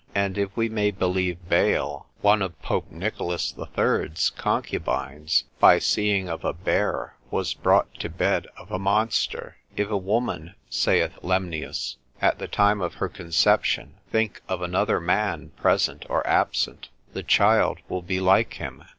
And if we may believe Bale, one of Pope Nicholas the Third's concubines by seeing of a bear was brought to bed of a monster. If a woman (saith Lemnius), at the time of her conception think of another man present or absent, the child will be like him.